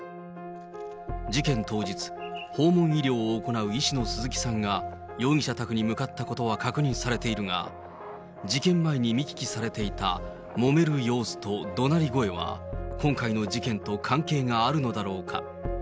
事件当日、訪問医療を行う医師の鈴木さんが容疑者宅に向かったことは確認されているが、事件前に見聞きされていたもめる様子とどなり声は、今回の事件と関係があるのだろうか。